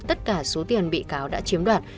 tất cả số tiền bị cáo đã chiếm đoạt